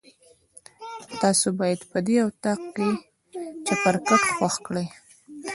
تاسو باید په دې اطاق کې چپرکټ خوښ کړئ.